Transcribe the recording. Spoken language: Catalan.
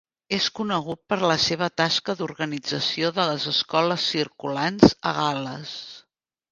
És conegut per la seva tasca d'organització de les "escoles circulants" a Gal·les.